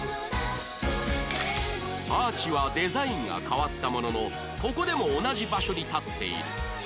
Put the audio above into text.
アーチはデザインが変わったもののここでも同じ場所に立っている